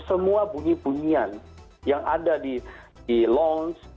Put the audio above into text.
semua bunyi bunyian yang ada di lounge